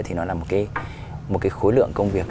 thì nó là một cái một cái khối lượng công việc